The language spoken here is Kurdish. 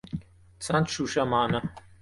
Çend şûşe mane?